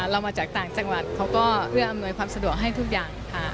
เรามาจากต่างจังหวัดเขาก็เอื้ออำนวยความสะดวกให้ทุกอย่างค่ะ